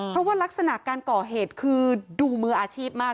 เพราะว่ารักษณะการก่อเหตุคือดูมืออาชีพมาก